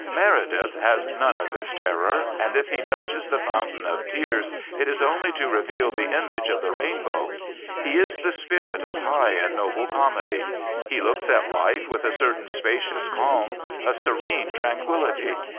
Meredith has none of this terror, and if he touches the fountain of tears it is only to reveal the image of the rainbow. He is the spirit of high and noble comedy. He looks at life with a certain spacious calm, a serene tranquillity.